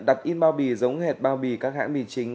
đặt in bao bì giống hệt bao bì